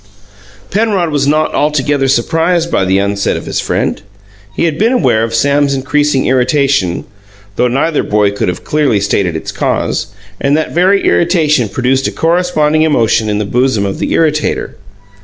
Penrod was not altogether surprised by the onset of his friend. He had been aware of Sam's increasing irritation (though neither boy could have clearly stated its cause) and that very irritation produced a corresponding emotion in the bosom of the irritator.